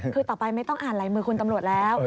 คือต่อไปไม่ต้องอ่านลายมือคุณตำรวจแล้ว